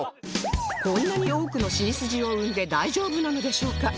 こんなに多くのシニスジを生んで大丈夫なのでしょうか